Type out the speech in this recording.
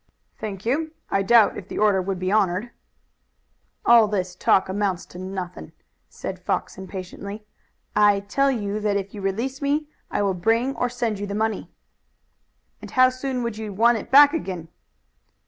"Thank you; I doubt if the order would be honored." "All this talk amounts to nothing," said Fox impatiently. "I tell you that if you release me I will bring or send you the money." "And how soon would you want it back again?"